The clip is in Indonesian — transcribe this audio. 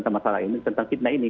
tentang fitnah ini